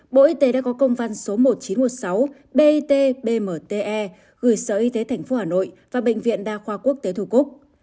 bộ y tế đã có công văn số một nghìn chín trăm một mươi sáu bitbmte gửi sở y tế thành phố hà nội và bệnh viện đa khoa quốc tế thu cúc